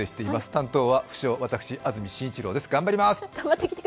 担当は不承・私安住伸一郎です。